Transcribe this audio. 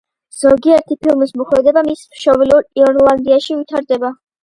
ზოგიერთი ფილმის მოქმედება მის მშობლიურ ირლანდიაში ვითარდება.